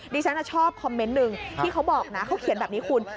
ดิฉันชอบคอมเมนต์หนึ่งที่เขาบอกนะเขาเขียนแบบนี้คุณ